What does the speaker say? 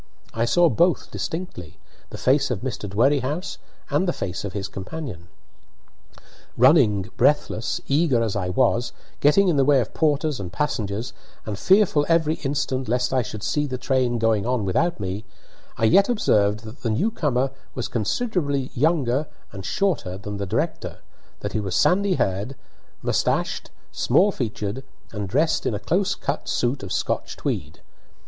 I saw both distinctly the face of Mr. Dwerrihouse and the face of his companion. Running, breathless, eager as I was, getting in the way of porters and passengers, and fearful every instant lest I should see the train going on without me, I yet observed that the new comer was considerably younger and shorter than the director, that he was sandy haired, mustachioed, small featured, and dressed in a close cut suit of Scotch tweed.